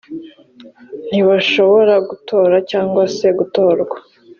ntibashobora gutora cyangwa se gutorwa